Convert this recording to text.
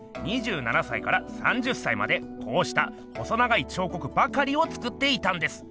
２７歳から３０歳までこうした細長い彫刻ばかりを作っていたんです。